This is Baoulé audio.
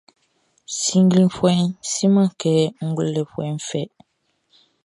Sinnglinfuɛʼn siman kɛ ngwlɛlɛfuɛʼn fɛ.